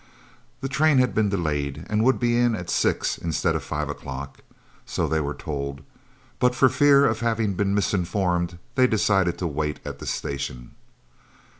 The train had been delayed, and would be in at 6 instead of 5 o'clock, so they were told, but, for fear of having been misinformed, they decided to wait at the station.